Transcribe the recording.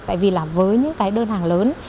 tại vì với những đơn hàng lớn